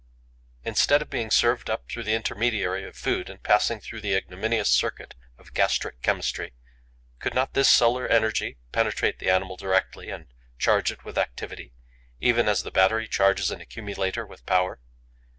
Instead of being served up through the intermediary of food and passing through the ignominious circuit of gastric chemistry, could not this solar energy penetrate the animal directly and charge it with activity, even as the battery charges an accumulator with power?